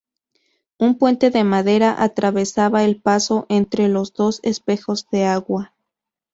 Un puente de madera atravesaba el paso entre los dos espejos de agua.